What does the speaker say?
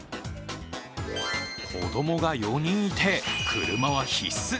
子供が４人いて、車は必須。